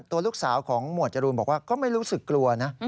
ตัวลูกสาวของหมวดจรูนบอกว่าก็ไม่รู้สึกกลัวนะ